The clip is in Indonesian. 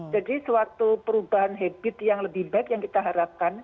jadi suatu perubahan habit yang lebih baik yang kita harapkan